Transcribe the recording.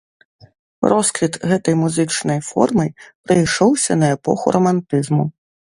Росквіт гэтай музычнай формы прыйшоўся на эпоху рамантызму.